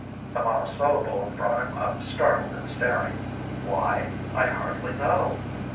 The monosyllable brought him up startled and staring. "Why? I hardly know...."